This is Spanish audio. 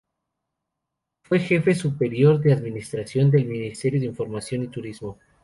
Fue jefe superior de Administración del Ministerio de Información y Turismo.